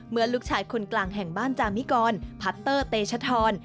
เมื่อลูกชายคนกลางแห่งบ้านจามิกรพัตเตอร์เตชธร